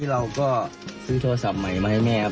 เราก็ซื้อโทรศัพท์ใหม่มาให้แม่ครับ